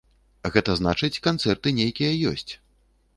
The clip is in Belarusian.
Гэта значыць, канцэрты нейкія ёсць.